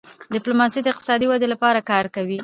ډيپلوماسي د اقتصادي ودې لپاره کار کوي.